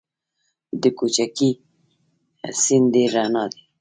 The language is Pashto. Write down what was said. د کوکچې سیند ډیر رڼا دی